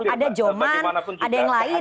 ada joman ada yang lain